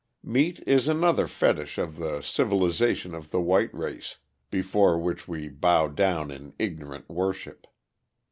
Meat is another fetich of the civilization of the white race, before which we bow down in ignorant worship.